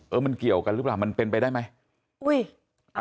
มันเกี่ยวกันหรือเปล่ามันเป็นไปได้ไหม